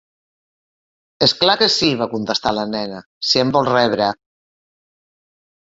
"És clar que sí", va contestar la nena, "si em vol rebre".